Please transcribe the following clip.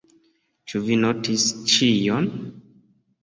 Ĉu vi notis ĉion?